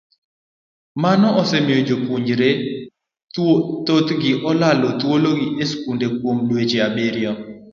Mano osemiyo jopuonjre thothgi olalo thuologi e skul kuom dweche abiriyo.